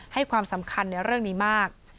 ให้ความสำคัญในเรื่องนี้มาก